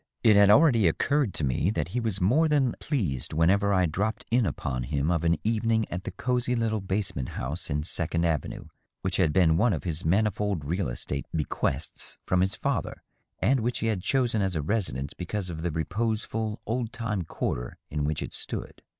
It had already occurred to me that he was more than pleased whenever I dropped in upon him of an evening at the cosey little basement house in Second Avenue which had been one of his manifold real estate bequests from his fether, and which he had chosen as a residence because of the reposeful, old time quarter in which it stood.